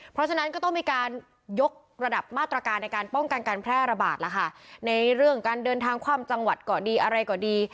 เพราะฉะนั้นก็ต้องมีการยกระดับมาตรการในการป้องกันการแพร่ระบาดแล้วค่ะในเรื่องการเดินทางข้ามจังหวัดก็ดีอะไรก็ดี